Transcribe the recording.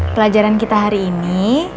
pelajaran kita hari ini